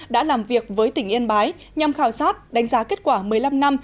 đã làm việc với tỉnh yên bái nhằm khảo sát đánh giá kết quả một mươi năm năm